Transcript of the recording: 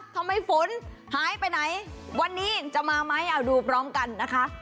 ทำไมฝนหายไปไหนวันนี้จะมาไหมเอาดูพร้อมกันนะคะ